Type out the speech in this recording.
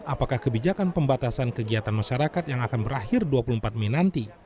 apakah kebijakan pembatasan kegiatan masyarakat yang akan berakhir dua puluh empat mei nanti